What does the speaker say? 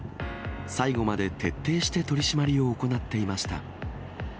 最後まで徹底して取締りを行っていました。